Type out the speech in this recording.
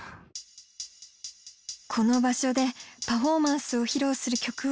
この場所でパフォーマンスを披露する曲は。